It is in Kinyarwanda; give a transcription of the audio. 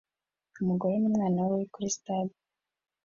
Umugore numwana we kuri stade